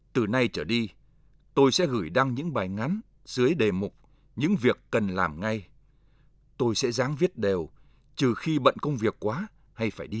từ nay trở đi tôi sẽ gửi đăng những bài ngắn dưới đề mục những việc cần làm ngay tôi sẽ giáng viết đều trừ khi bận công việc quá hay phải đi